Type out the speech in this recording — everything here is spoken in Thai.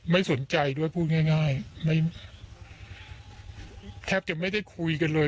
ไม่สนใจด้วยพูดง่ายไม่แทบจะไม่ได้คุยกันเลย